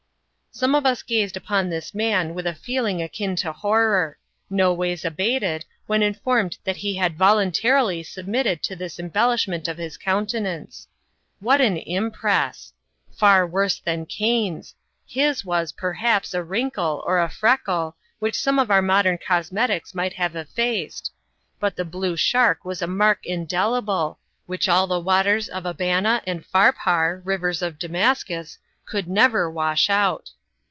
Some of us gazed upon this man with a feeling akin to horror, no ways abated when informed that he had voluntarily sub mitted to this embellishment of his countenance. What an impress ! Far worse than Cain's — his was, perhaps, a wrinkle, or a freckle, which some of our modem cosmetics might have effaced ; but the blue shark was a mark indelible, which all the waters of Abana and Pharpar, rivers of Damascus, could never wash out.